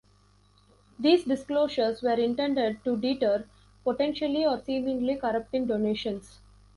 These disclosures were intended to deter potentially or seemingly corrupting donations.